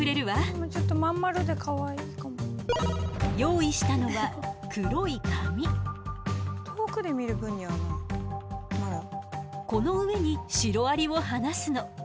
用意したのはこの上にシロアリを放すの。